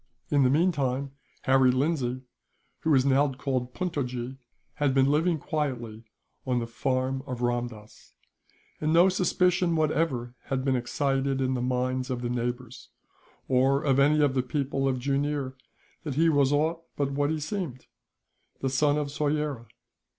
In the meantime Harry Lindsay, who was now called Puntojee, had been living quietly on the farm of Ramdass; and no suspicion whatever had been excited in the minds of the neighbours, or of any of the people of Jooneer, that he was aught but what he seemed the son of Soyera.